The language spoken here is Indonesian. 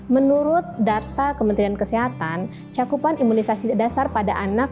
menurut data kementerian kesehatan cakupan imunisasi dasar pada anak